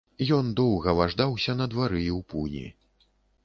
Ён доўга важдаўся на двары і ў пуні.